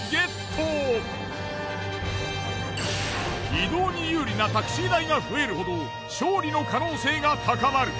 移動に有利なタクシー代が増えるほど勝利の可能性が高まる。